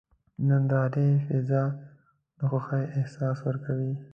د نندارې فضا د خوښۍ احساس ورکوي.